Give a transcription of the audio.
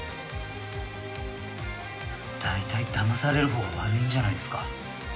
大体騙される方が悪いんじゃないですか？